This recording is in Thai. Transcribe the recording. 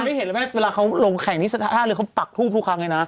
ไม่เห็นเลยแม่เวลาเขาลงแข่งที่สถานท่าเรือเขาปักทูบทุกครั้งเลยนะ